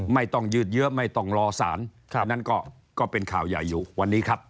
ไม่ต้องยืดเยอะไม่ต้องรอสารอันนั้นก็เป็นข่าวใหญ่อยู่วันนี้ครับ